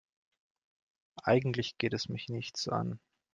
Eigentlich geht es mich nichts an.